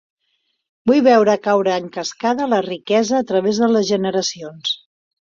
Vull veure caure en cascada la riquesa a través de les generacions.